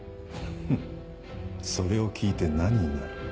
フッそれを聞いて何になる。